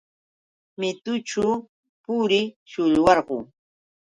Mitućhu purir shullwarquu.